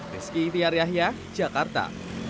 reski tiar yahya jakarta